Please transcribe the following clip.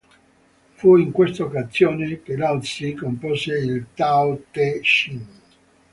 Fu in questa occasione che Lao Zi compose il Tao Te Ching.